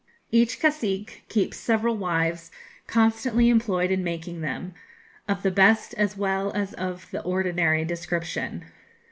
Each cacique keeps several wives constantly employed in making them, of the best as well as of the ordinary description.